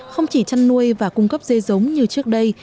không chỉ chăn nuôi và cung cấp dê giống như trước đây